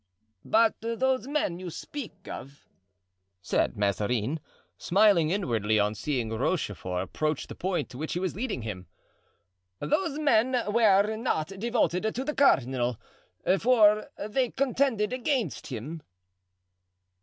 "But those men you speak of," said Mazarin, smiling inwardly on seeing Rochefort approach the point to which he was leading him, "those men were not devoted to the cardinal, for they contended against him."